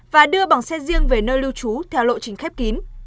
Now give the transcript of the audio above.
và đưa bằng xe riêng về nơi lưu trú theo lộ trình khép kín